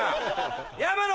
山野